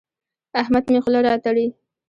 احمد مې خوله راتړي.